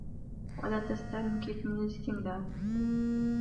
وَلَا تَسْتَنْكِفْ مِنْ الِاسْتِمْدَادِ